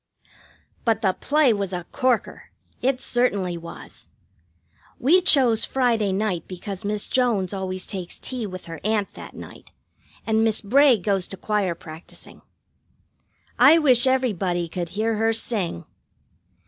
But the play was a corker; it certainly was. We chose Friday night because Miss Jones always takes tea with her aunt that night, and Miss Bray goes to choir practising. I wish everybody could hear her sing!